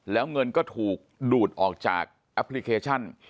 แล้วเงินก็ถูกดูดออกจากแอปพลิเคชัน